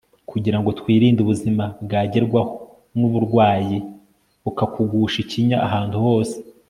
kugira ngo twirinde ubuzima bwagerwaho n'uburwayi bukagusha ikinya ahantu hose